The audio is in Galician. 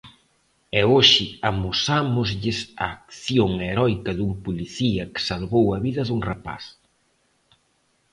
E hoxe amosámoslle a acción heroica dun policía que salvou a vida dun rapaz.